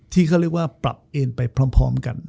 ที่เขาเรียกว่าปรับเอนไปพร้อมกัน